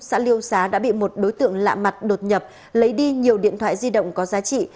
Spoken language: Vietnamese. xã liêu xá đã bị một đối tượng lạ mặt đột nhập lấy đi nhiều điện thoại di động có giá trị